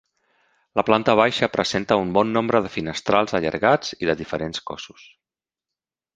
La planta baixa presenta un bon nombre de finestrals allargats i de diferents cossos.